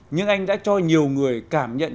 nhưng anh đã cho nhiều người cảm nhận